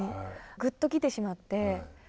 グッときてしまって。